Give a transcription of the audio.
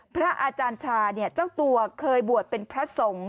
พระอาจารย์ชาเนี่ยเจ้าตัวเคยบวชเป็นพระสงฆ์